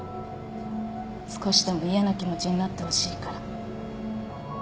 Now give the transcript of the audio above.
少しでも嫌な気持ちになってほしいから。